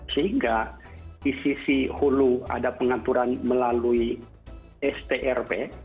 sehingga di sisi hulu ada pengaturan melalui strp